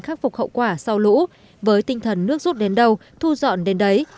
khắc phục hậu quả sau lũ với tinh thần nước rút đến đâu thu dọn đến đấy